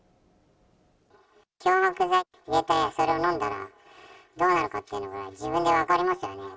漂白剤入れて、それを飲んだらどうなるかっていうのぐらい、自分で分かりますよね。